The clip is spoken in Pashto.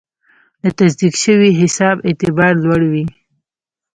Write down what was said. د تصدیق شوي حساب اعتبار لوړ وي.